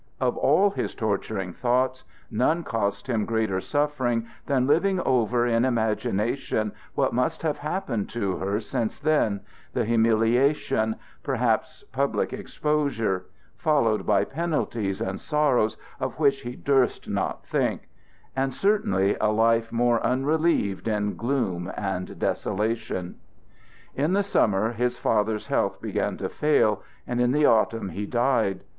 Of all his torturing thoughts, none cost him greater suffering than living over in imagination what must have happened to her since then the humiliation, perhaps public exposure; followed by penalties and sorrows of which he durst not think, and certainly a life more unrelieved in gloom and desolation. In the summer his father's health began to fail and in the autumn he died.